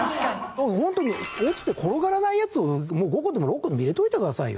ホントに落ちて転がらないやつを５個でも６個でも入れておいてくださいよ。